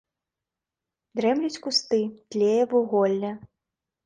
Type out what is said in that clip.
Дрэмлюць кусты, тлее вуголле.